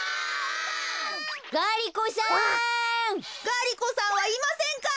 ガリ子さんはいませんか？